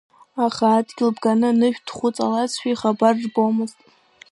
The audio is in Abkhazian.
Аха адгьыл бганы анышә дхәыҵалазшәа ихабар рбомызт.